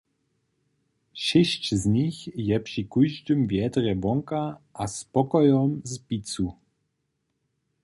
Šěsć z nich je při kóždym wjedrje wonka a spokojom z picu.